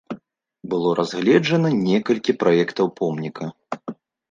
Было разгледжана некалькі праектаў помніка.